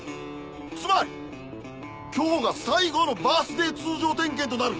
つまり今日が最後のバースデー通常点検となる。